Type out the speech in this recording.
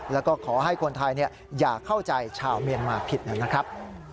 แล้วก็ขอให้คนไทยอย่าเข้าใจชาวเมียนมาผิดหน่อยนะครับ